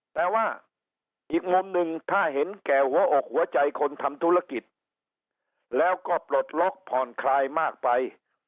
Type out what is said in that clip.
แต่ว่าอีกมุมหนึ่งถ้าเห็นแก่หัวอกหัวใจคนทำธุรกิจแล้วก็ปลดล็อกผ่อนคลายมากไป